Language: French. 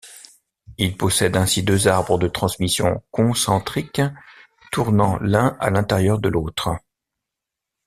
Il possède ainsi deux arbres de transmission concentriques tournant l'un à l'intérieur de l'autre.